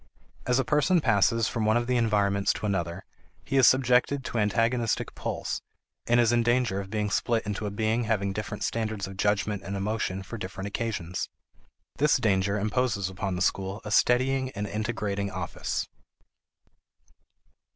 As a person passes from one of the environments to another, he is subjected to antagonistic pulls, and is in danger of being split into a being having different standards of judgment and emotion for different occasions. This danger imposes upon the school a steadying and integrating office.